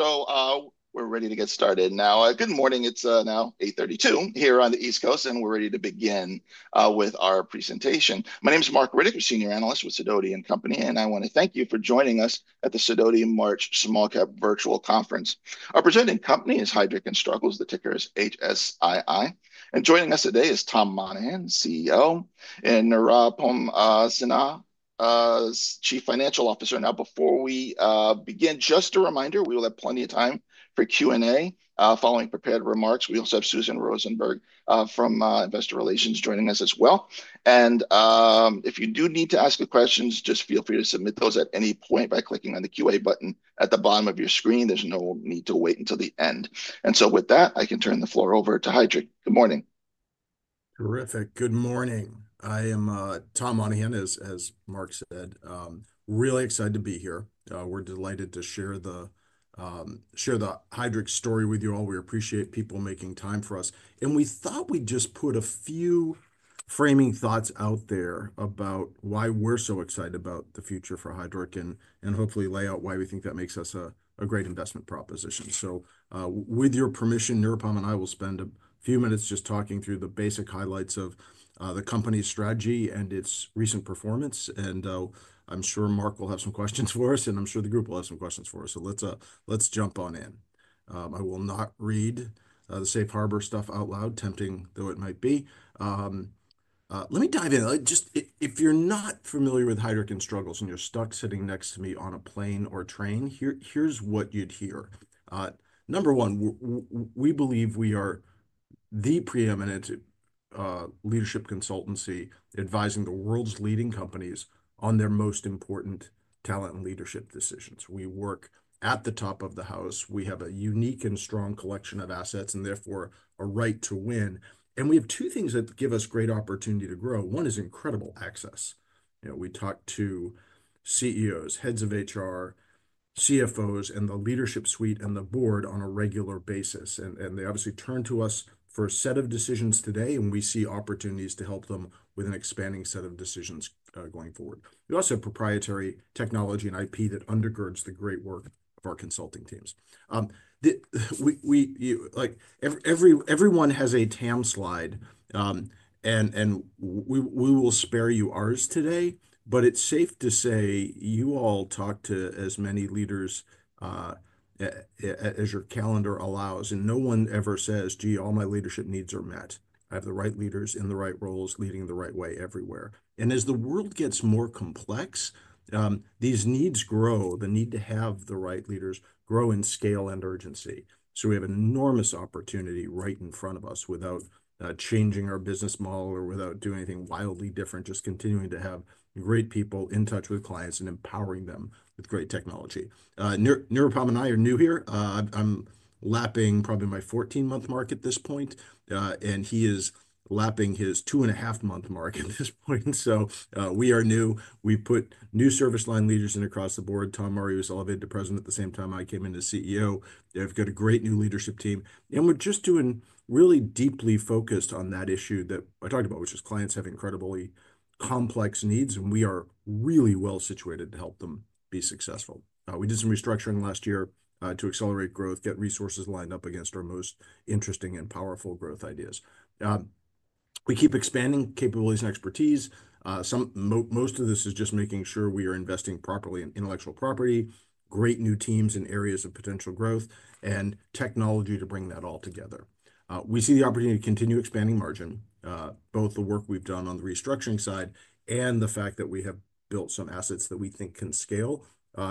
We're ready to get started. Good morning. It's now 8:32 A.M. here on the East Coast, and we're ready to begin with our presentation. My name is Mark Riddick, a senior analyst with Sidoti & Company, and I want to thank you for joining us at the Sidoti & Company Small Cap Virtual Conference. Our presenting company is Heidrick & Struggles, the ticker is HSII. Joining us today is Tom Monahan, CEO, and Nirupam Sinha, Chief Financial Officer. Before we begin, just a reminder, we will have plenty of time for Q&A following prepared remarks. We also have Suzanne Rosenberg from Investor Relations joining us as well. If you do need to ask a question, just feel free to submit those at any point by clicking on the Q&A button at the bottom of your screen. There's no need to wait until the end. With that, I can turn the floor over to Heidrick. Good morning. Terrific. Good morning. I am Tom Monahan, as Mark said, really excited to be here. We're delighted to share the Heidrick story with you all. We appreciate people making time for us. We thought we'd just put a few framing thoughts out there about why we're so excited about the future for Heidrick and hopefully lay out why we think that makes us a great investment proposition. With your permission, Nirupam and I will spend a few minutes just talking through the basic highlights of the company's strategy and its recent performance. I'm sure Mark will have some questions for us, and I'm sure the group will have some questions for us. Let's jump on in. I will not read the safe harbor stuff out loud, tempting though it might be. Let me dive in. Just, if you're not familiar with Heidrick & Struggles and you're stuck sitting next to me on a plane or train, here, here's what you'd hear. Number one, we believe we are the preeminent leadership consultancy advising the world's leading companies on their most important talent and leadership decisions. We work at the top of the house. We have a unique and strong collection of assets and therefore a right to win. We have two things that give us great opportunity to grow. One is incredible access. You know, we talk to CEOs, heads of HR, CFOs, and the leadership suite and the board on a regular basis. They obviously turn to us for a set of decisions today, and we see opportunities to help them with an expanding set of decisions, going forward. We also have proprietary technology and IP that undergirds the great work of our consulting teams. We, you know, like, every, everyone has a TAM slide, and we will spare you ours today, but it's safe to say you all talk to as many leaders as your calendar allows, and no one ever says, "Gee, all my leadership needs are met. I have the right leaders in the right roles leading the right way everywhere." As the world gets more complex, these needs grow, the need to have the right leaders grows in scale and urgency. We have an enormous opportunity right in front of us without changing our business model or without doing anything wildly different, just continuing to have great people in touch with clients and empowering them with great technology. Nirupam and I are new here. I'm lapping probably my 14-month mark at this point, and he is lapping his two-and-a-half-month mark at this point. We are new. We put new service line leaders in across the board. Tom Maurer was elevated to President at the same time I came in as CEO. They've got a great new leadership team. We are just doing really deeply focused on that issue that I talked about, which is clients have incredibly complex needs, and we are really well situated to help them be successful. We did some restructuring last year, to accelerate growth, get resources lined up against our most interesting and powerful growth ideas. We keep expanding capabilities and expertise. Most of this is just making sure we are investing properly in intellectual property, great new teams in areas of potential growth, and technology to bring that all together. We see the opportunity to continue expanding margin, both the work we've done on the restructuring side and the fact that we have built some assets that we think can scale,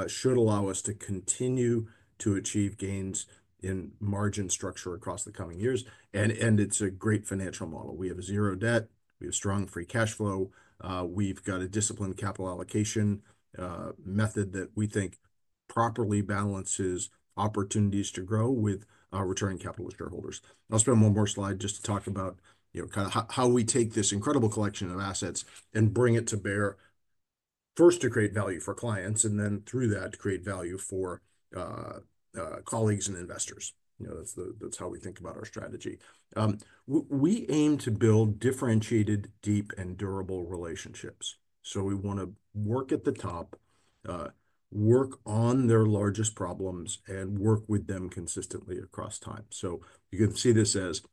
should allow us to continue to achieve gains in margin structure across the coming years. It's a great financial model. We have zero debt. We have strong free cash flow. We've got a disciplined capital allocation method that we think properly balances opportunities to grow with returning capital with shareholders. I'll spend one more slide just to talk about, you know, kind of how we take this incredible collection of assets and bring it to bear first to create value for clients and then through that to create value for colleagues and investors. You know, that's how we think about our strategy. We aim to build differentiated, deep, and durable relationships. We want to work at the top, work on their largest problems, and work with them consistently across time. You can see this as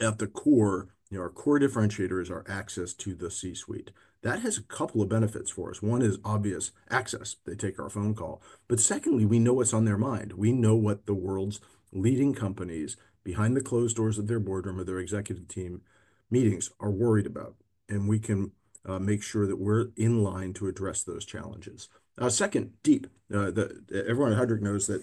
at the core, you know, our core differentiator is our access to the C-suite. That has a couple of benefits for us. One is obvious access. They take our phone call. Secondly, we know what's on their mind. We know what the world's leading companies behind the closed doors of their boardroom or their executive team meetings are worried about. We can make sure that we're in line to address those challenges. Second, deep, everyone at Heidrick knows that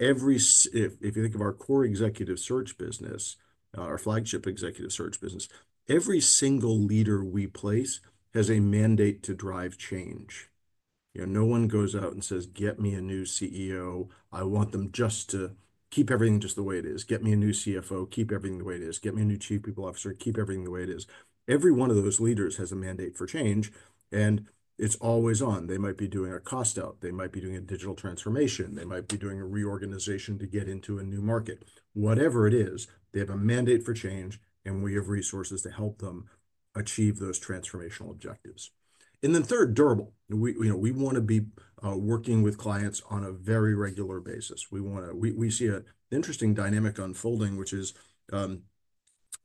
every, if you think of our core executive search business, our flagship executive search business, every single leader we place has a mandate to drive change. You know, no one goes out and says, "Get me a new CEO. just to keep everything just the way it is. Get me a new CFO. Keep everything the way it is. Get me a new Chief People Officer. Keep everything the way it is. Get me a new chief people officer. Keep everything the way it is." Every one of those leaders has a mandate for change, and it's always on. They might be doing a cost out. They might be doing a digital transformation. They might be doing a reorganization to get into a new market. Whatever it is, they have a mandate for change, and we have resources to help them achieve those transformational objectives. Third, durable. We, you know, we want to be working with clients on a very regular basis. We want to, we, we see an interesting dynamic unfolding, which is,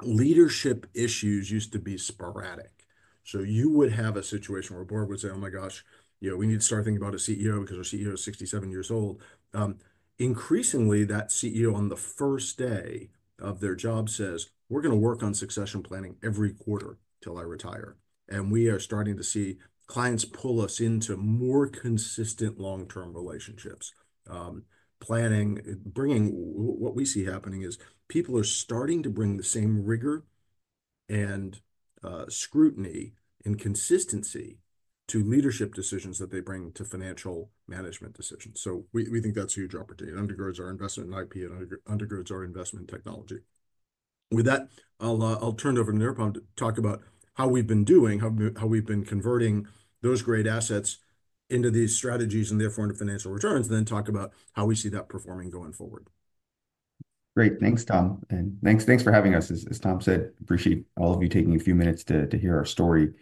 leadership issues used to be sporadic. You would have a situation where a board would say, "Oh my gosh, you know, we need to start thinking about a CEO because our CEO is 67 years old." Increasingly, that CEO on the first day of their job says, "We're going to work on succession planning every quarter till I retire." We are starting to see clients pull us into more consistent long-term relationships. Planning, bringing, what we see happening is people are starting to bring the same rigor and scrutiny and consistency to leadership decisions that they bring to financial management decisions. We think that's a huge opportunity. Undergirds our investment in IP and undergirds our investment in technology. With that, I'll turn it over to Nirupam to talk about how we've been doing, how we've been converting those great assets into these strategies and therefore into financial returns, and then talk about how we see that performing going forward. Great. Thanks, Tom. Thanks for having us. As Tom said, appreciate all of you taking a few minutes to hear our story.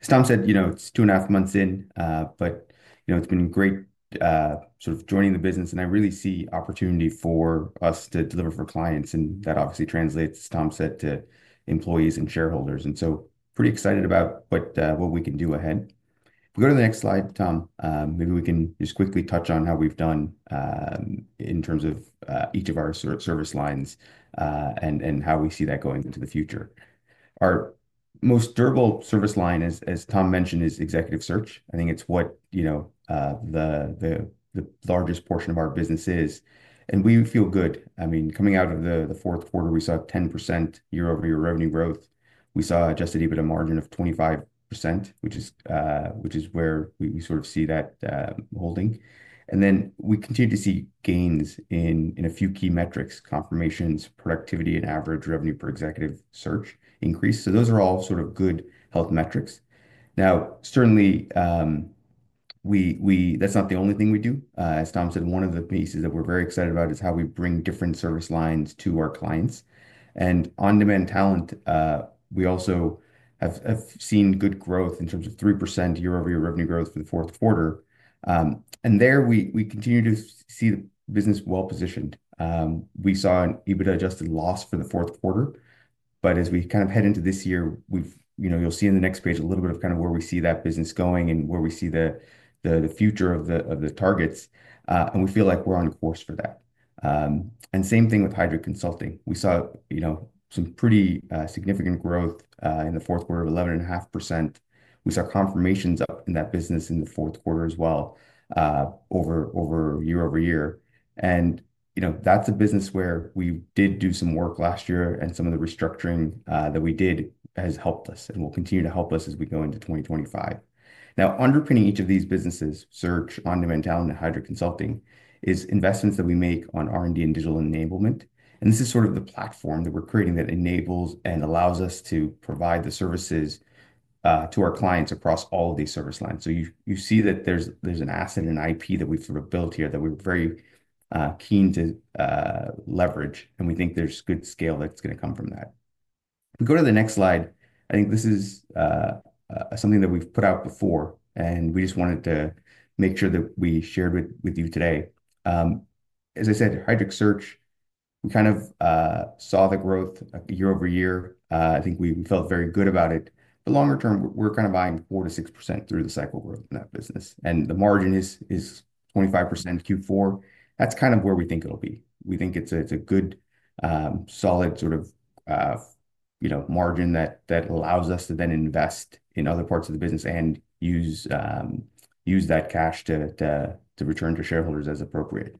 As Tom said, you know, it's two and a half months in, but, you know, it's been great, sort of joining the business, and I really see opportunity for us to deliver for clients, and that obviously translates, as Tom said, to employees and shareholders. I am pretty excited about what we can do ahead. If we go to the next slide, Tom, maybe we can just quickly touch on how we've done, in terms of each of our service lines, and how we see that going into the future. Our most durable service line, as Tom mentioned, is executive search. I think it's what, you know, the largest portion of our business is. We feel good. I mean, coming out of the fourth quarter, we saw 10% year-over-year revenue growth. We saw adjusted EBITDA margin of 25%, which is where we sort of see that holding. We continue to see gains in a few key metrics: confirmations, productivity, and average revenue per executive search increase. Those are all sort of good health metrics. Now, certainly, that's not the only thing we do. As Tom said, one of the pieces that we're very excited about is how we bring different service lines to our clients. In on-demand talent, we also have seen good growth in terms of 3% year-over-year revenue growth for the fourth quarter. There we continue to see the business well positioned. We saw an EBITDA adjusted loss for the fourth quarter, but as we kind of head into this year, we've, you know, you'll see in the next page a little bit of kind of where we see that business going and where we see the, the future of the, of the targets. We feel like we're on course for that. Same thing with Heidrick & Struggles. We saw, you know, some pretty significant growth in the fourth quarter of 11.5%. We saw confirmations up in that business in the fourth quarter as well, over year over year. You know, that's a business where we did do some work last year, and some of the restructuring that we did has helped us and will continue to help us as we go into 2025. Now, underpinning each of these businesses, search, on-demand talent, and Heidrick & Struggles is investments that we make on R&D and digital enablement. This is sort of the platform that we're creating that enables and allows us to provide the services to our clients across all of these service lines. You see that there's an asset and an IP that we've sort of built here that we're very keen to leverage, and we think there's good scale that's going to come from that. If we go to the next slide, I think this is something that we've put out before, and we just wanted to make sure that we shared with you today. As I said, Heidrick & Struggles. We kind of saw the growth year over year. I think we felt very good about it. Longer term, we're kind of buying 4-6% through the cycle growth in that business. The margin is 25% Q4. That's kind of where we think it'll be. We think it's a good, solid sort of, you know, margin that allows us to then invest in other parts of the business and use that cash to return to shareholders as appropriate.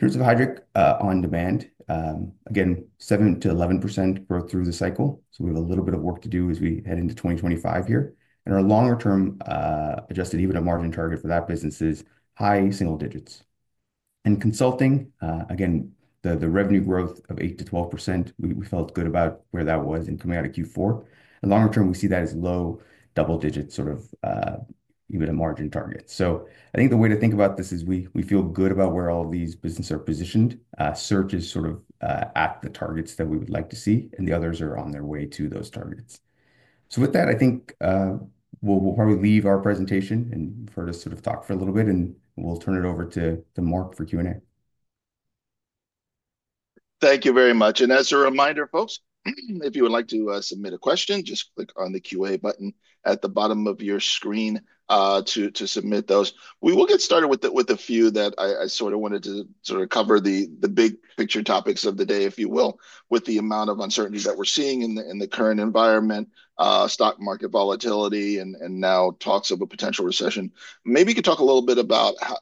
In terms of Heidrick On-Demand, again, 7-11% growth through the cycle. We have a little bit of work to do as we head into 2025 here. Our longer term adjusted EBITDA margin target for that business is high single digits. Consulting, again, the revenue growth of 8-12%, we felt good about where that was in coming out of Q4. Longer term, we see that as low double digit sort of, EBITDA margin target. I think the way to think about this is we feel good about where all of these businesses are positioned. Search is sort of at the targets that we would like to see, and the others are on their way to those targets. With that, I think we'll probably leave our presentation and for us to sort of talk for a little bit, and we'll turn it over to Mark for Q&A. Thank you very much. As a reminder, folks, if you would like to submit a question, just click on the Q&A button at the bottom of your screen to submit those. We will get started with a few that I sort of wanted to sort of cover the big picture topics of the day, if you will, with the amount of uncertainty that we're seeing in the current environment, stock market volatility, and now talks of a potential recession. Maybe you could talk a little bit about how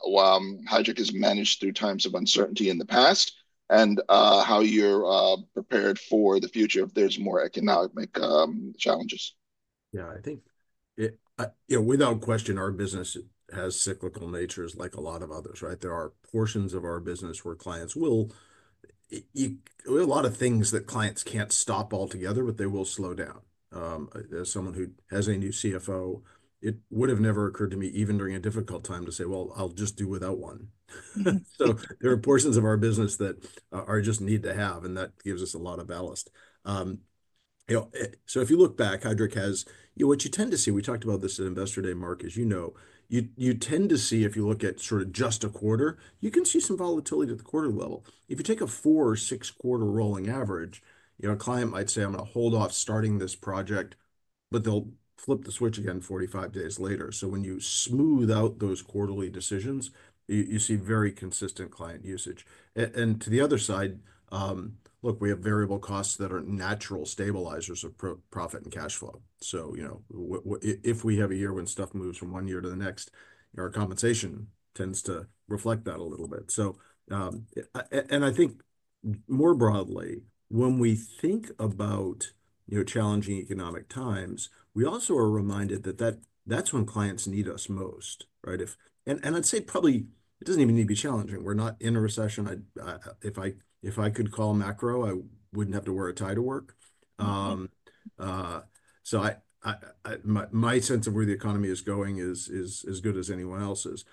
Heidrick has managed through times of uncertainty in the past and how you're prepared for the future if there's more economic challenges. Yeah, I think it, you know, without question, our business has cyclical natures like a lot of others, right? There are portions of our business where clients will, you know, a lot of things that clients can't stop altogether, but they will slow down. As someone who has a new CFO, it would have never occurred to me, even during a difficult time, to say, "Well, I'll just do without one." So there are portions of our business that are just need to have, and that gives us a lot of ballast. You know, so if you look back, Heidrick has, you know, what you tend to see, we talked about this at Investor Day, Mark, as you know, you tend to see if you look at sort of just a quarter, you can see some volatility at the quarter level. If you take a four or six-quarter rolling average, you know, a client might say, "I'm going to hold off starting this project," but they'll flip the switch again 45 days later. When you smooth out those quarterly decisions, you see very consistent client usage. To the other side, look, we have variable costs that are natural stabilizers of profit and cash flow. You know, if we have a year when stuff moves from one year to the next, our compensation tends to reflect that a little bit. I think more broadly, when we think about, you know, challenging economic times, we also are reminded that that's when clients need us most, right? If, and I'd say probably it doesn't even need to be challenging. We're not in a recession. If I could call macro, I wouldn't have to wear a tie to work. My sense of where the economy is going is as good as anyone else's.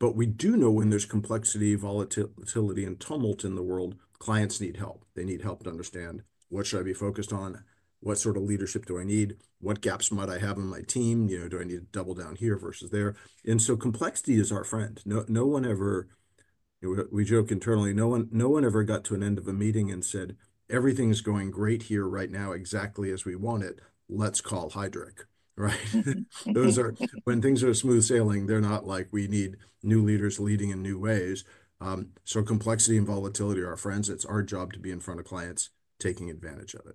We do know when there's complexity, volatility, and tumult in the world, clients need help. They need help to understand what should I be focused on, what sort of leadership do I need, what gaps might I have in my team, you know, do I need to double down here versus there? Complexity is our friend. We joke internally, no one ever got to an end of a meeting and said, "Everything's going great here right now, exactly as we want it. Let's call Heidrick." Right? Those are, when things are smooth sailing, they're not like, "We need new leaders leading in new ways." Complexity and volatility are our friends. It's our job to be in front of clients taking advantage of it.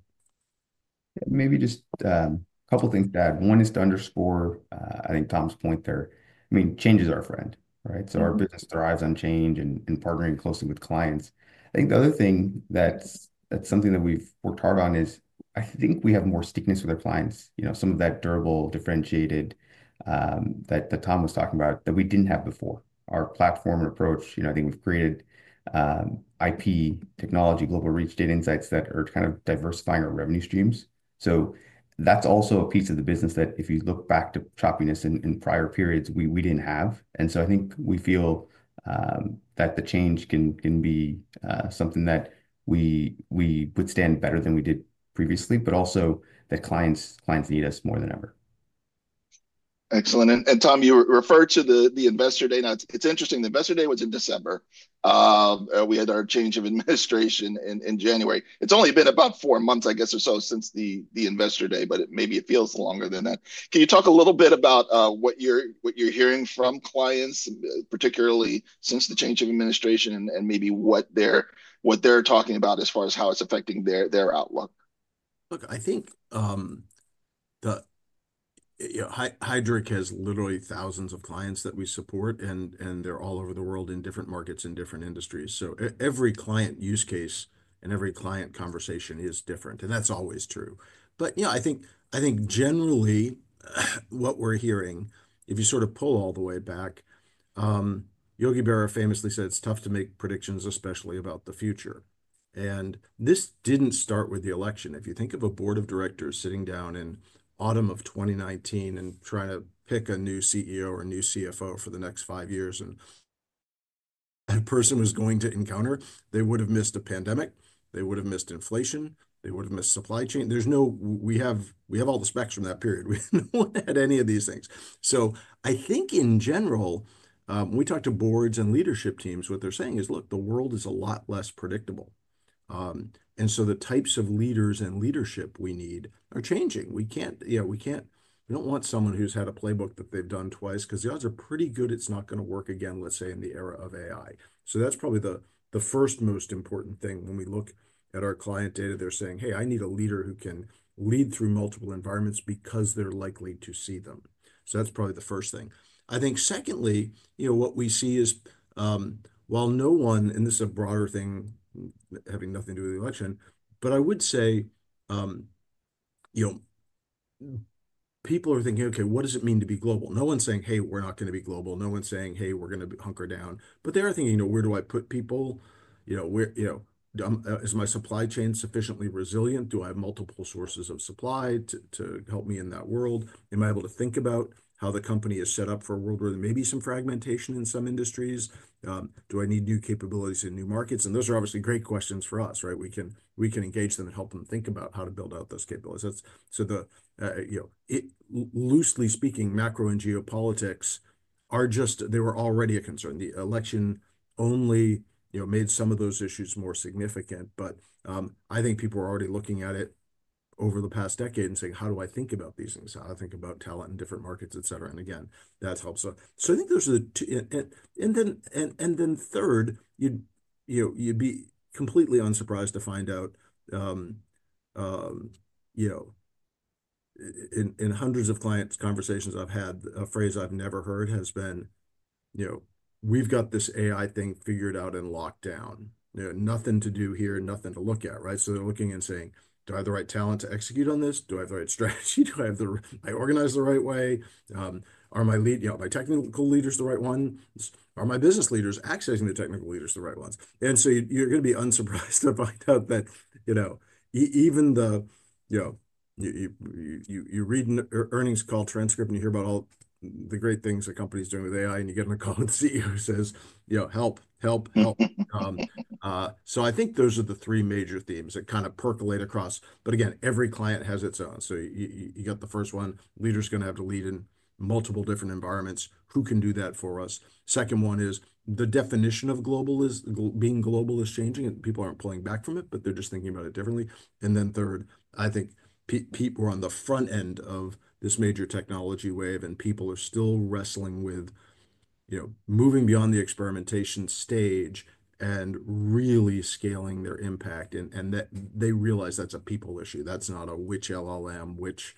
Maybe just a couple of things to add. One is to underscore, I think, Tom's point there. I mean, change is our friend, right? Our business thrives on change and partnering closely with clients. I think the other thing that's something that we've worked hard on is I think we have more stickiness with our clients, you know, some of that durable, differentiated, that Tom was talking about that we didn't have before. Our platform and approach, you know, I think we've created IP, technology, global reach, data insights that are kind of diversifying our revenue streams. That's also a piece of the business that if you look back to choppiness in prior periods, we didn't have. I think we feel that the change can be something that we withstand better than we did previously, but also that clients need us more than ever. Excellent. Tom, you referred to the Investor Day. Now, it's interesting. The Investor Day was in December. We had our change of administration in January. It's only been about four months, I guess, or so since the Investor Day, but maybe it feels longer than that. Can you talk a little bit about what you're hearing from clients, particularly since the change of administration and maybe what they're talking about as far as how it's affecting their outlook? Look, I think, you know, Heidrick has literally thousands of clients that we support, and they're all over the world in different markets and different industries. Every client use case and every client conversation is different, and that's always true. You know, I think generally what we're hearing, if you sort of pull all the way back, Yogi Berra famously said, "It's tough to make predictions, especially about the future." This didn't start with the election. If you think of a board of directors sitting down in autumn of 2019 and trying to pick a new CEO or a new CFO for the next five years and a person was going to encounter, they would have missed a pandemic, they would have missed inflation, they would have missed supply chain. There's no, we have all the specs from that period. We had no one had any of these things. I think in general, when we talk to boards and leadership teams, what they're saying is, "Look, the world is a lot less predictable." The types of leaders and leadership we need are changing. We can't, you know, we can't, we don't want someone who's had a playbook that they've done twice because the odds are pretty good it's not going to work again, let's say in the era of AI. That's probably the first most important thing. When we look at our client data, they're saying, "Hey, I need a leader who can lead through multiple environments because they're likely to see them." That's probably the first thing. I think secondly, you know, what we see is, while no one, and this is a broader thing, having nothing to do with the election, but I would say, you know, people are thinking, "Okay, what does it mean to be global?" No one's saying, "Hey, we're not going to be global." No one's saying, "Hey, we're going to hunker down." They are thinking, "You know, where do I put people? You know, where, you know, is my supply chain sufficiently resilient? Do I have multiple sources of supply to help me in that world? Am I able to think about how the company is set up for a world where there may be some fragmentation in some industries? Do I need new capabilities in new markets?" Those are obviously great questions for us, right? We can engage them and help them think about how to build out those capabilities. You know, loosely speaking, macro and geopolitics are just, they were already a concern. The election only, you know, made some of those issues more significant, but I think people are already looking at it over the past decade and saying, "How do I think about these things? How do I think about talent in different markets, etc.?" That helps. I think those are the two. Then third, you'd, you know, you'd be completely unsurprised to find out, you know, in hundreds of clients' conversations I've had, a phrase I've never heard has been, you know, "We've got this AI thing figured out and locked down." You know, nothing to do here, nothing to look at, right? They're looking and saying, "Do I have the right talent to execute on this? Do I have the right strategy? Am I organized the right way? Are my, you know, my technical leaders the right ones? Are my business leaders, accessing the technical leaders, the right ones?" You're going to be unsurprised to find out that, you know, even the, you know, you read an earnings call transcript and you hear about all the great things the company's doing with AI and you get on a call with the CEO who says, you know, "Help, help, help." I think those are the three major themes that kind of percolate across. Again, every client has its own. You got the first one, leader's going to have to lead in multiple different environments. Who can do that for us? Second one is the definition of global is being global is changing. People aren't pulling back from it, but they're just thinking about it differently. Third, I think people are on the front end of this major technology wave and people are still wrestling with, you know, moving beyond the experimentation stage and really scaling their impact, and that they realize that's a people issue. That's not a which LLM, which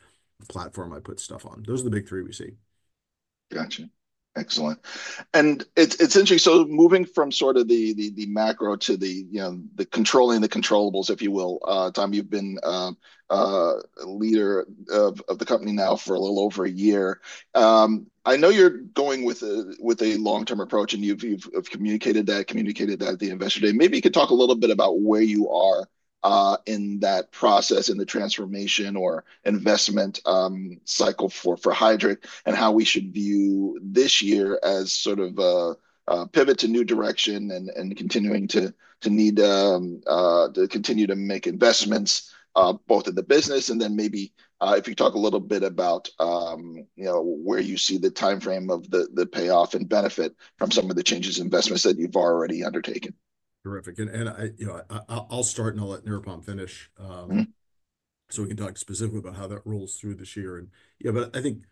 platform I put stuff on. Those are the big three we see. Gotcha. Excellent. It's interesting. Moving from sort of the macro to the, you know, the controlling the controllable, if you will, Tom, you've been leader of the company now for a little over a year. I know you're going with a long-term approach and you've communicated that, communicated that at the Investor Day. Maybe you could talk a little bit about where you are in that process, in the transformation or investment cycle for Heidrick & Struggles and how we should view this year as sort of a pivot to new direction and continuing to need to continue to make investments, both in the business and then maybe, if you talk a little bit about, you know, where you see the timeframe of the payoff and benefit from some of the changes in investments that you've already undertaken. Terrific. I, you know, I'll start and I'll let Nirupam finish, so we can talk specifically about how that rolls through this year. I think,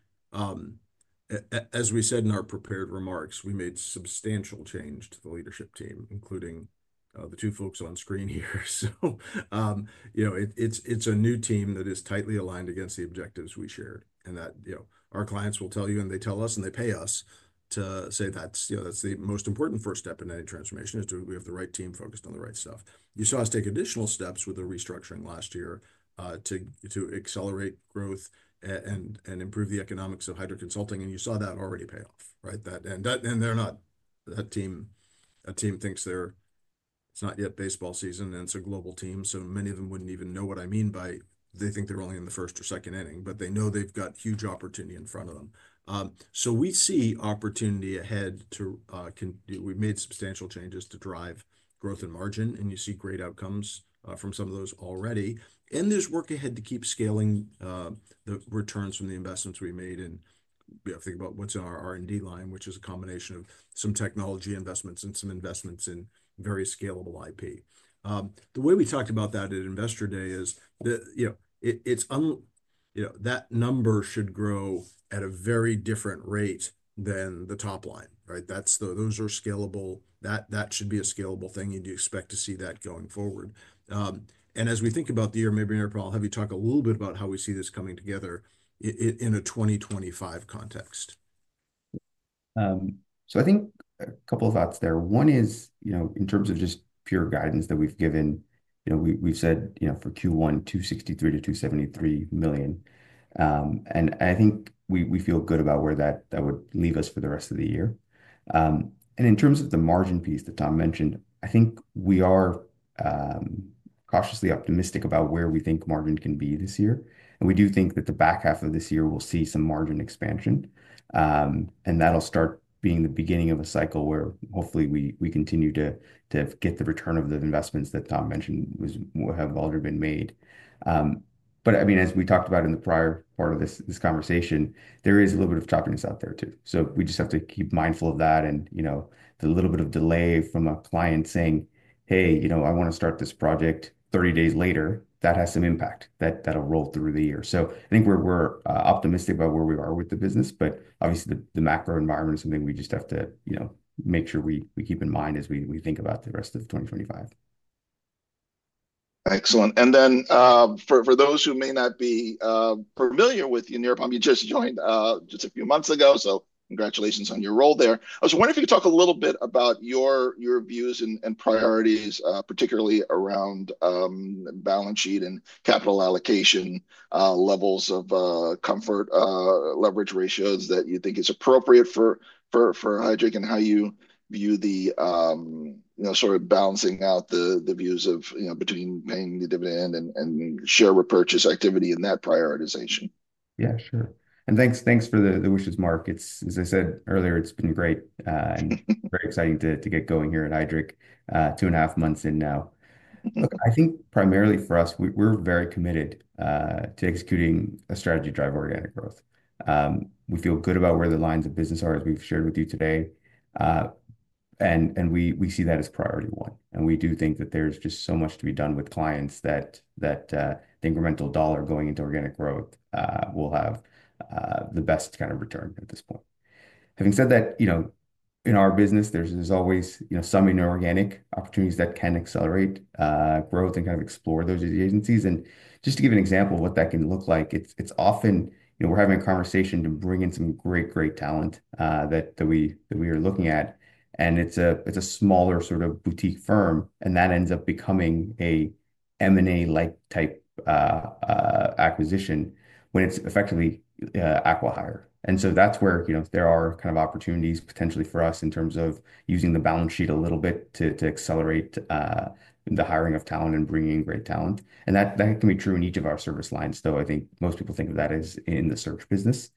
as we said in our prepared remarks, we made substantial change to the leadership team, including the two folks on screen here. You know, it's a new team that is tightly aligned against the objectives we shared. Our clients will tell you and they tell us and they pay us to say that's the most important first step in any transformation, is do we have the right team focused on the right stuff. You saw us take additional steps with the restructuring last year to accelerate growth and improve the economics of Heidrick Consulting. You saw that already pay off, right? That, and that, and they're not, that team, that team thinks they're, it's not yet baseball season and it's a global team. Many of them wouldn't even know what I mean by they think they're only in the first or second inning, but they know they've got huge opportunity in front of them. We see opportunity ahead to, we've made substantial changes to drive growth and margin and you see great outcomes from some of those already. There's work ahead to keep scaling the returns from the investments we made and, you know, think about what's in our R&D line, which is a combination of some technology investments and some investments in very scalable IP. The way we talked about that at Investor Day is that, you know, it, it's un, you know, that number should grow at a very different rate than the top line, right? That's the, those are scalable, that should be a scalable thing. You do expect to see that going forward. As we think about the year, maybe Nirupam, I'll have you talk a little bit about how we see this coming together in a 2025 context. I think a couple of thoughts there. One is, you know, in terms of just pure guidance that we've given, you know, we've said, you know, for Q1, $263 million-$273 million. I think we feel good about where that would leave us for the rest of the year. In terms of the margin piece that Tom mentioned, I think we are cautiously optimistic about where we think margin can be this year. We do think that the back half of this year will see some margin expansion. That will start being the beginning of a cycle where hopefully we continue to get the return of the investments that Tom mentioned have already been made. I mean, as we talked about in the prior part of this conversation, there is a little bit of choppiness out there too. We just have to keep mindful of that and, you know, the little bit of delay from a client saying, "Hey, you know, I want to start this project 30 days later," that has some impact that will roll through the year. I think we're optimistic about where we are with the business, but obviously the macro environment is something we just have to, you know, make sure we keep in mind as we think about the rest of 2025. Excellent. For those who may not be familiar with you, Nirupam just joined just a few months ago. Congratulations on your role there. I was wondering if you could talk a little bit about your views and priorities, particularly around balance sheet and capital allocation, levels of comfort, leverage ratios that you think is appropriate for Heidrick and how you view the, you know, sort of balancing out the views of, you know, between paying the dividend and share repurchase activity and that prioritization. Yeah, sure. Thanks, thanks for the wishes, Marc. As I said earlier, it's been great, and very exciting to get going here at Heidrick, two and a half months in now. Look, I think primarily for us, we're very committed to executing a strategy to drive organic growth. We feel good about where the lines of business are as we've shared with you today, and we see that as priority one. We do think that there's just so much to be done with clients that the incremental dollar going into organic growth will have the best kind of return at this point. Having said that, you know, in our business, there's always, you know, some inorganic opportunities that can accelerate growth and kind of explore those agencies. Just to give an example of what that can look like, it's often, you know, we're having a conversation to bring in some great, great talent that we are looking at. It's a smaller sort of boutique firm, and that ends up becoming a M&A-like type acquisition when it's effectively aqua-hired. That is where, you know, there are kind of opportunities potentially for us in terms of using the balance sheet a little bit to accelerate the hiring of talent and bringing in great talent. That can be true in each of our service lines, though I think most people think of that as in the search business.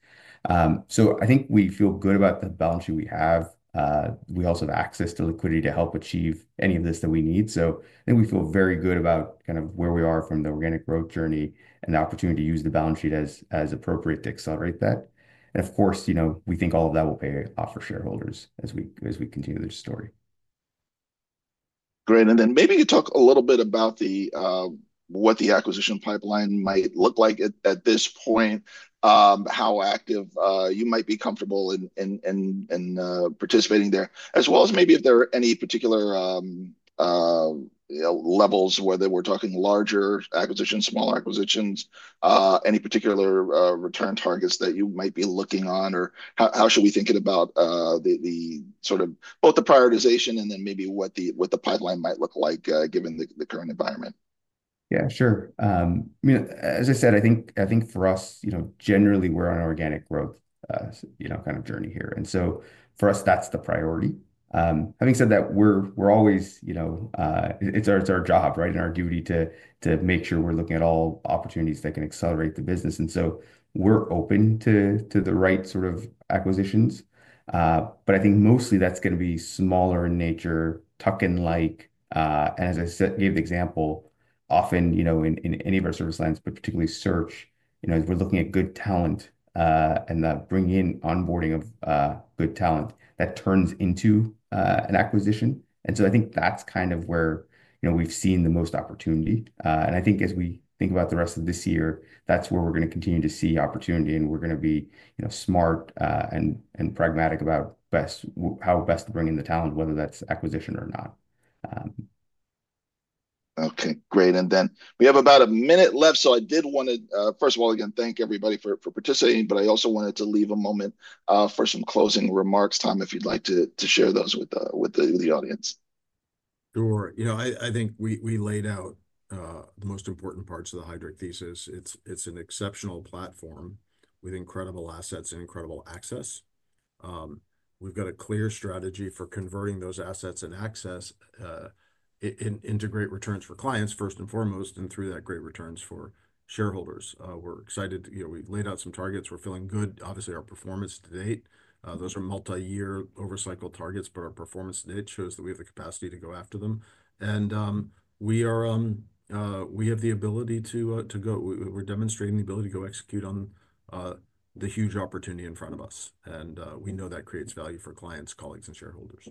I think we feel good about the balance sheet we have. We also have access to liquidity to help achieve any of this that we need. I think we feel very good about kind of where we are from the organic growth journey and the opportunity to use the balance sheet as appropriate to accelerate that. Of course, you know, we think all of that will pay off for shareholders as we continue this story. Great. Maybe you could talk a little bit about what the acquisition pipeline might look like at this point, how active you might be comfortable in participating there, as well as maybe if there are any particular, you know, levels, whether we're talking larger acquisitions, smaller acquisitions, any particular return targets that you might be looking on or how should we think about the sort of both the prioritization and then maybe what the pipeline might look like, given the current environment. Yeah, sure. I mean, as I said, I think, I think for us, you know, generally we're on an organic growth, you know, kind of journey here. For us, that's the priority. Having said that, we're always, you know, it's our job, right, and our duty to make sure we're looking at all opportunities that can accelerate the business. We're open to the right sort of acquisitions. I think mostly that's going to be smaller in nature, tuck-in like. As I said, gave the example, often, you know, in any of our service lines, but particularly search, you know, as we're looking at good talent, and that bringing in onboarding of good talent that turns into an acquisition. I think that's kind of where, you know, we've seen the most opportunity. I think as we think about the rest of this year, that's where we're going to continue to see opportunity and we're going to be, you know, smart and pragmatic about how best to bring in the talent, whether that's acquisition or not. Okay, great. We have about a minute left. I did want to, first of all, again, thank everybody for participating, but I also wanted to leave a moment for some closing remarks, Tom, if you'd like to share those with the audience. Sure. You know, I think we laid out the most important parts of the Heidrick thesis. It's an exceptional platform with incredible assets and incredible access. We've got a clear strategy for converting those assets and access in great returns for clients first and foremost, and through that, great returns for shareholders. We're excited, you know, we laid out some targets. We're feeling good, obviously, our performance to date. Those are multi-year oversight targets, but our performance to date shows that we have the capacity to go after them. We have the ability to go, we're demonstrating the ability to go execute on the huge opportunity in front of us. We know that creates value for clients, colleagues, and shareholders.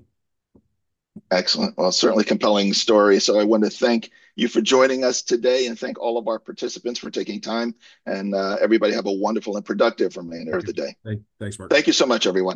Excellent. Certainly compelling story. I want to thank you for joining us today and thank all of our participants for taking time and, everybody have a wonderful and productive remainder of the day. Thanks, Marc. Thank you so much, everyone.